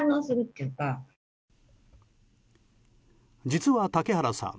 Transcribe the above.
実は竹原さん